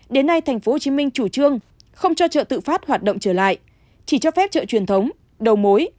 đến nay tp hcm chủ trương không cho chợ tự phát hoạt động trở lại chỉ cho phép chợ truyền thống đầu mối